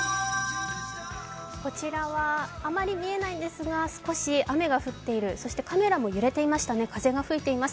こちらはあまり見えないんですが、少し雨が降っているそしてカメラも揺れていましたね、風が吹いています。